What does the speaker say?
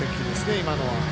今のは。